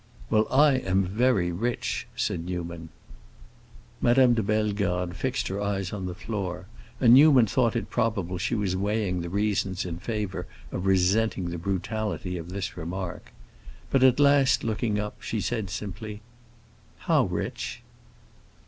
"Well, I am very rich," said Newman. Madame de Bellegarde fixed her eyes on the floor, and Newman thought it probable she was weighing the reasons in favor of resenting the brutality of this remark. But at last, looking up, she said simply, "How rich?"